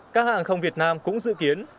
các hãng hàng không việt nam cũng dự kiến